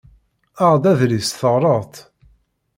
Aɣ-d adlis teɣreḍ-t.